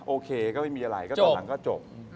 โอเคไม่มีไรเพราะตอนหลังก็จบ